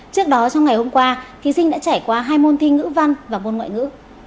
trước đó trong ngày hôm qua thí sinh đã trải qua hai môn thi ngữ văn và môn ngoại ngữ